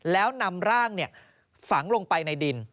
แล้วนำร่างฝังลงไปในดิน